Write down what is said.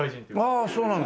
ああそうなんだ。